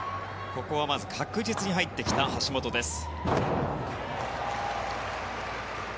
ここは確実に入ってきた橋本です。